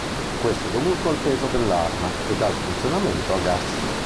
Questo è dovuto al peso dell'arma ed al funzionamento a gas.